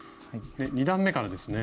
２段めからですね。